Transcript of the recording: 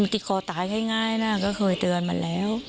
ติดคอตายง่ายนะก็เคยเตือนมาแล้ว